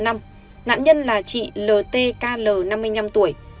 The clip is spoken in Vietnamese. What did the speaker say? nạn nhân là chị ltkl năm mươi năm tuổi